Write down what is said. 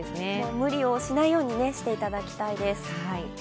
無理をしないようにしていただきたいです。